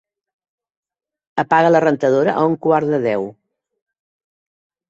Apaga la rentadora a un quart de deu.